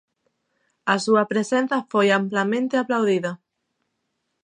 A súa presenza foi amplamente aplaudida.